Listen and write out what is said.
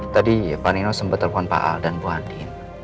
tadi pak nino sempat telepon pak al dan bu adin